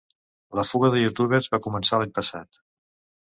La fuga de youtubers va començar l’any passat.